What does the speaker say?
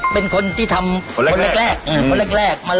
เป็นคนที่ทำคนแรก